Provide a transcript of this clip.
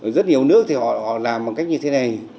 rất nhiều nước thì họ làm bằng cách như thế này